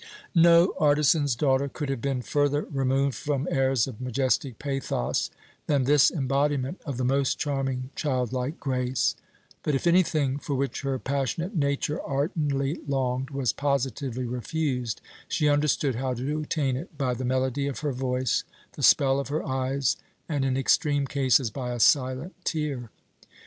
"No artisan's daughter could have been further removed from airs of majestic pathos than this embodiment of the most charming childlike grace; but if anything for which her passionate nature ardently longed was positively refused, she understood how to attain it by the melody of her voice, the spell of her eyes, and in extreme cases by a silent tear.